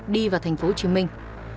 đi vào thành phố hồ chí minh